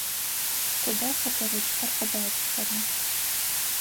Тыдэ хэтэрыкӏхэр къыдакӏэхэра?